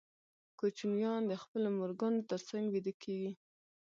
کوچنیان د خپلو مورګانو تر څنګ ویده کېږي.